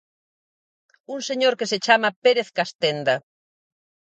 Un señor que se chama Pérez Castenda.